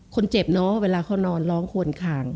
คนเจ็บเนอะเวลาเขานอนร้องควนคาง